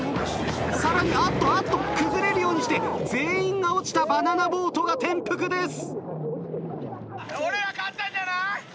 さらにあっとあっと崩れるようにして全員が落ちたバナナボートが転覆です。